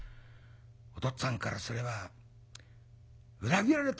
お父っつぁんからすれば裏切られたと思ったのかな。